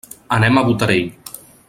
Anem a Botarell.